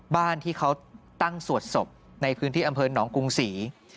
บ้านที่เขาตั้งสวดศพในพื้นที่อำเภอหนองกรุงศรี